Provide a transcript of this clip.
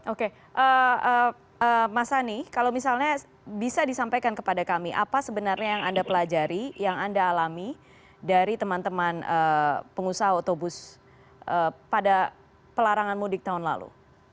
oke mas sani kalau misalnya bisa disampaikan kepada kami apa sebenarnya yang anda pelajari yang anda alami dari teman teman pengusaha otobus pada pelarangan mudik tahun lalu